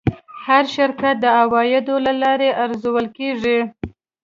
هر شرکت د عوایدو له لارې ارزول کېږي.